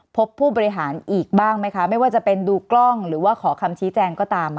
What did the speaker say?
พบผู้บริหารอีกบ้างไหมคะไม่ว่าจะเป็นดูกล้องหรือว่าขอคำชี้แจงก็ตาม